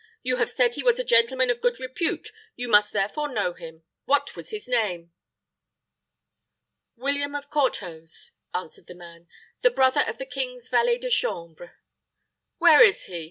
You have said he was a gentleman of good repute; you must therefore know him. What was his name?" "William of Courthose," answered the man; "the brother of the king's valet de chambre." "Where is he?"